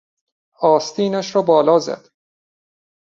آستینش را بالا زد.